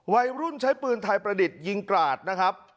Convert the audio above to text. วัยรุ่นใช้ปืนไทยประดิษฐ์ยิงกราดนะครับ